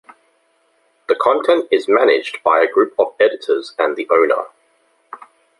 The content is managed by a group of editors and the owner.